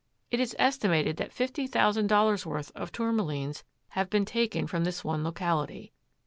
It is estimated that fifty thousand dollars' worth of Tourmalines have been taken from this one locality.